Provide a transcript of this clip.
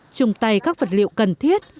chung tay các vật liệu cần thiết